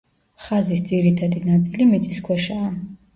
ხაზის ძირითადი ნაწილი მიწისქვეშაა.